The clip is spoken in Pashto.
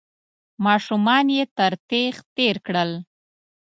ماشومان يې تر تېغ تېر کړل.